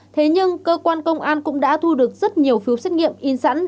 thế nhưng cơ quan công an cũng đã thu được rất nhiều phiếu xét nghiệm in sẵn